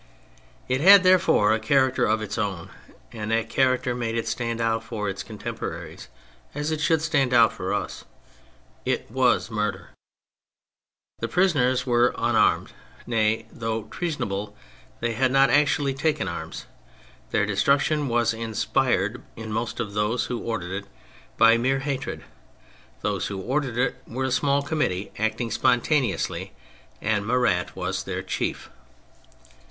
It had, therefore, a charac ter of its own, and that character made it stand out for its contemporaries as it should stand out for us : it was murder. The prisoners were unarmed — ^nay, though treasonable, they had not actually taken arms ; their destruction was inspired, in most of those who ordered it, by mere hatred. Those who ordered it were a small committee acting spontaneously, and Marat was their chief.